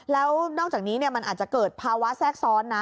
แล้วนอกจากนี้มันอาจจะเกิดภาวะแทรกซ้อนนะ